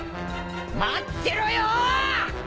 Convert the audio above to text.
待ってろよー！！